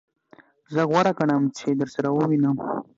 زه غوره ګڼم چی درسره ووینم.